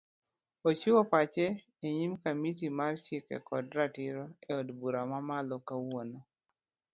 Ochiwo pache enyim kamiti mar chike kod ratiro eod bura mamalo kawuono